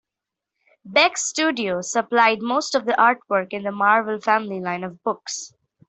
Beck's studio supplied most of the artwork in the Marvel Family line of books.